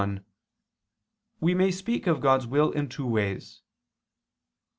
1: We may speak of God's will in two ways.